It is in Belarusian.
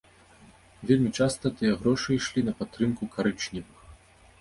Вельмі часта тыя грошы ішлі на падтрымку карычневых.